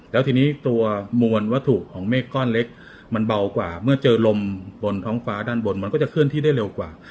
แล้วทีนี้ตัวมวลวัตถุของเมฆก้อนเล็กมันเบากว่าเมื่อเจอลมบนท้องฟ้าด้านบนมันก็จะเคลื่อนที่ได้เร็วกว่า